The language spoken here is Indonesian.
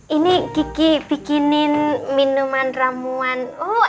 ini kiki bikinin minuman ramuan